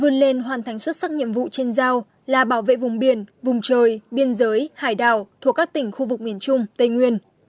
vươn lên hoàn thành xuất sắc nhiệm vụ trên giao là bảo vệ vùng biển vùng trời biên giới hải đảo thuộc các tỉnh khu vực miền trung tây nguyên